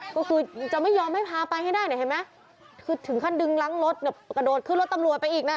ก็คือจะไม่ยอมให้พาไปให้ได้เนี่ยเห็นไหมคือถึงขั้นดึงล้างรถเนี่ยกระโดดขึ้นรถตำรวจไปอีกนะ